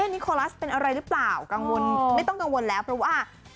นิโคลัสเป็นอะไรหรือเปล่ากังวลไม่ต้องกังวลแล้วเพราะว่า